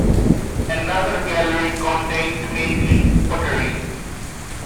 Another gallery contains mainly pottery.